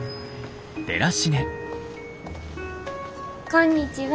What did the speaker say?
こんにちは。シッ。